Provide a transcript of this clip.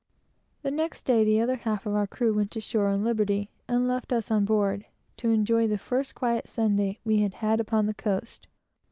The next Sunday the other half of our crew went ashore on liberty, and left us on board, to enjoy the first quiet Sunday which we had had upon the coast.